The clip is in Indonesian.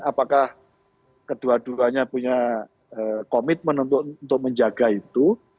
apakah kedua duanya punya komitmen untuk menjaga itu